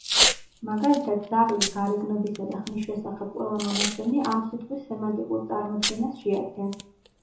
მაგალითად, „ძაღლის“ გარეგნობისა და ხმის შესახებ ყველა მონაცემი ამ სიტყვის სემანტიკურ წარმოდგენას შეადგენს.